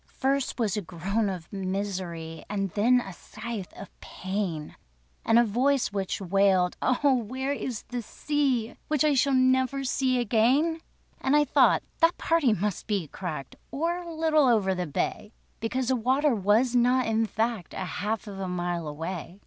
First was a groan of misery, And then a scythe of pain; And a voice which wailed: "Oh where is the Sea? Which I never shall see again?" And I thought that party must be cracked, Or a little over the bay; Because the water was not, in fact, A half of a mile away.